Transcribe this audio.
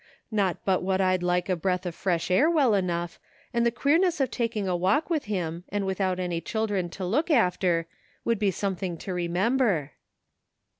Not but what I'd like a breath of fresh air well enough, and the queerness of taking a walk with him, and without any children to look after, would be something to remember."